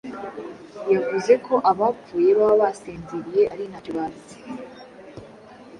Yavuze ko abapfuye baba basinziriye ari ntacyo bazi.